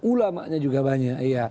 ulamanya juga banyak